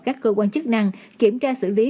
các cơ quan chức năng kiểm tra xử lý